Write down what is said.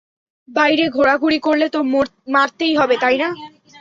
বাইরে ঘোরাঘুরি করলে তো মারতেই হবে, তাই না?